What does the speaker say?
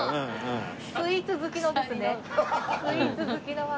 スイーツ好きのですね。